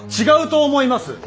違うと思います。